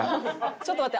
ちょっと待って。